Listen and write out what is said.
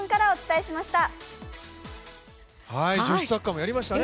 女子サッカーもやりました。